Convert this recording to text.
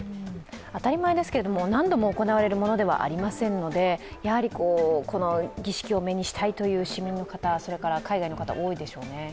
当たり前ですが、何度も行われるものではありませんのでやはりこの儀式を目にしたいという市民の方、それから海外の方、多いですよね。